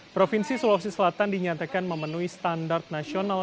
provinsi sulawesi selatan dinyatakan memenuhi standar nasional